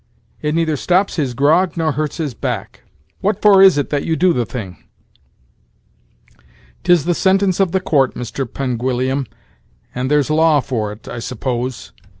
It neither stops his grog nor hurts his back; what for is it that you do the thing?" "'Tis the sentence of the court, Mr. Penguillium, and there's law for it, I s'pose."